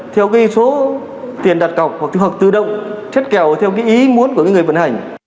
theo số tiền đặt cọc hoặc tự động chất kèo theo ý muốn của người vận hành